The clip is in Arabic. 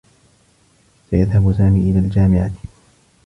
سيذهب سامي إلى الجامعة.